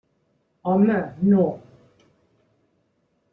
Home, no.